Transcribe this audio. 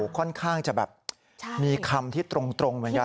ค่อนข้างจะแบบมีคำที่ตรงเหมือนกัน